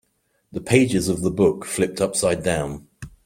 The pages of the book flipped upside down.